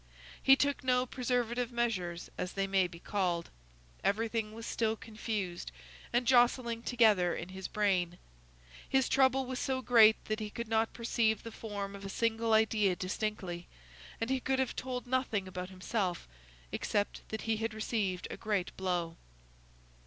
He took no "preservative measures," as they may be called. Everything was still confused, and jostling together in his brain. His trouble was so great that he could not perceive the form of a single idea distinctly, and he could have told nothing about himself, except that he had received a great blow.